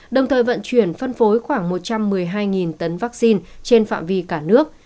đồng thời vận chuyển phân phối khoảng một trăm một mươi hai tấn vaccine trên phạm vi cả nước